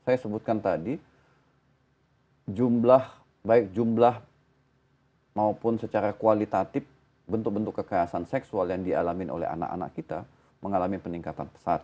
saya sebutkan tadi jumlah baik jumlah maupun secara kualitatif bentuk bentuk kekerasan seksual yang dialami oleh anak anak kita mengalami peningkatan pesat